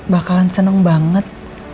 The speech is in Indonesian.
bakalan seneng banget